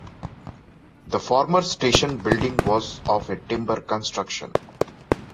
The former station building was of a timber construction.